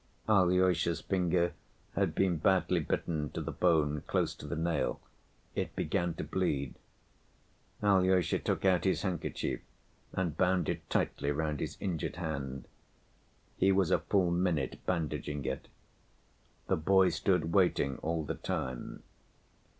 Alyosha's finger had been badly bitten to the bone, close to the nail; it began to bleed. Alyosha took out his handkerchief and bound it tightly round his injured hand. He was a full minute bandaging it. The boy stood waiting all the time.